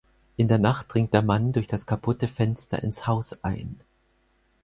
In der Nacht dringt der Mann durch das kaputte Fenster ins Haus ein.